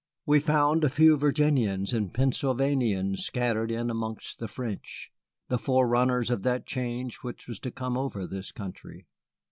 We found a few Virginians and Pennsylvanians scattered in amongst the French, the forerunners of that change which was to come over this country.